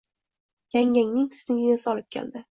Yangangning singlisi olib keldi.